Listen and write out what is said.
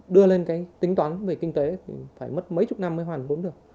đưa lên cái tính toán về kinh tế thì phải mất mấy chục năm mới hoàn vốn được